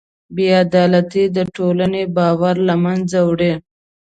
بېعدالتي د ټولنې باور له منځه وړي.